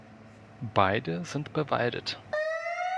Beide sind bewaldet.